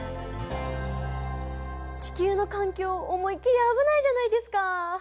地球の環境思いっきり危ないじゃないですか！